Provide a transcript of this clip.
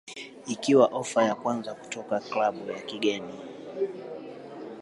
ikiwa ofa ya kwanza kutoka klabu ya kigeni